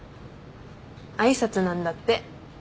挨拶なんだって。